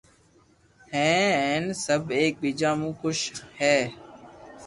ھي ھين سب ايڪ ٻيجا مون خوݾ ھي